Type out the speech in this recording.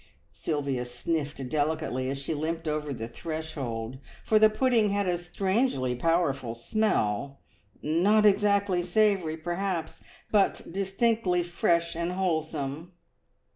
Sylvia sniffed delicately as she limped over the threshold, for the pudding had a strangely powerful smell, not exactly savoury perhaps, but distinctly fresh and wholesome.